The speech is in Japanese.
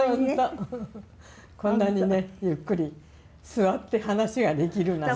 こんなにねゆっくり座って話ができるなんて。